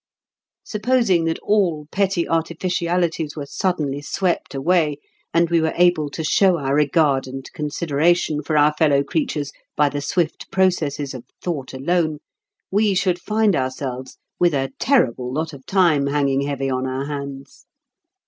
Supposing that all "petty artificialities" were suddenly swept away, and we were able to show our regard and consideration for our fellow creatures by the swift processes of thought alone, we should find ourselves with a terrible lot of time hanging heavy on our hands.